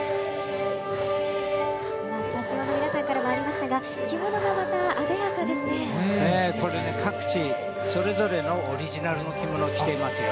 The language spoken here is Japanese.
スタジオの皆さんからもありましたが、これね、各地、それぞれのオリジナルの着物を着ていますよ。